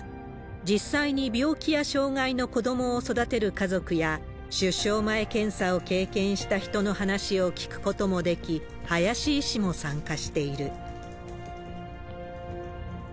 実際に病気や障害の子どもを育てる家族や、出生前検査を経験した人の話を聞くこともでき、林医師も参加している。